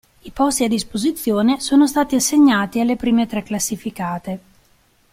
I posti a disposizione sono stati assegnati alle prime tre classificate.